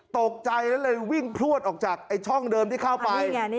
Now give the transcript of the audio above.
ตกใจแล้วเลยวิ่งพลวดออกจากไอ้ช่องเดิมที่เข้าไป